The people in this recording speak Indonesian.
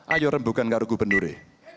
ayo rembukan garugupenduri